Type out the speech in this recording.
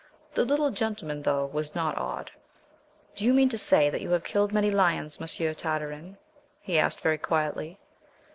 The little gentleman, though, was not awed. "Do you mean to say that you have killed many lions, Monsieur Tartarin?" he asked, very quietly.